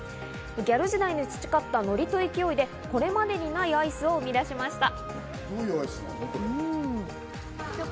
ギャル時代に培ったノリと勢いでこれまでにないアイスを生み出しました。